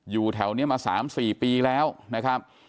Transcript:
อยู่แถวนี้มา๓๔ปีแล้วนะครับ